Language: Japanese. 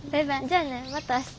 じゃあねまた明日。